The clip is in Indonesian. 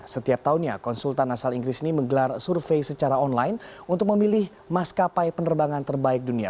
setiap tahunnya konsultan asal inggris ini menggelar survei secara online untuk memilih maskapai penerbangan terbaik dunia